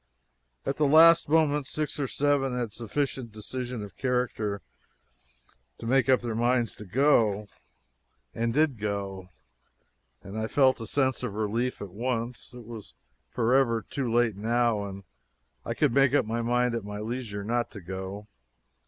At the last moment six or seven had sufficient decision of character to make up their minds to go, and did go, and I felt a sense of relief at once it was forever too late now and I could make up my mind at my leisure not to go.